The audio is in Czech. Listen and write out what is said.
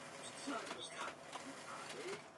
Velmi nám chybí.